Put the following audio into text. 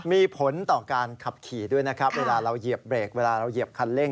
มีผลต่อการขับขี่ด้วยนะครับเวลาเราเหยียบเบรกเวลาเราเหยียบคันเร่ง